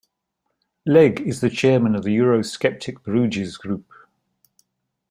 Legg is the chairman of the Eurosceptic Bruges Group.